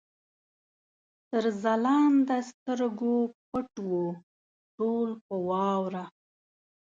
تر ځلانده سترګو پټ وو، ټول په واوره